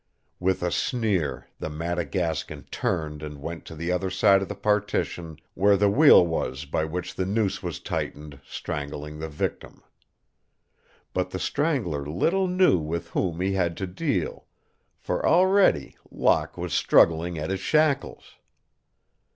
With a sneer the Madagascan turned and went to the other side of the partition where the wheel was by which the noose was tightened, strangling the victim. But the Strangler little knew with whom he had to deal, for already Locke was struggling at his shackles.